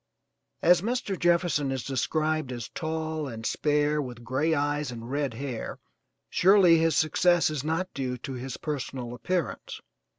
As Mr. Jefferson is described as tall and spare with gray eyes and red hair, surely his success is not due to his personal appearance.